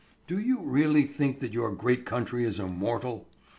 Do you really think that your great country is immortal?